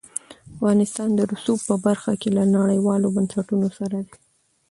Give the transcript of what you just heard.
افغانستان د رسوب په برخه کې له نړیوالو بنسټونو سره دی.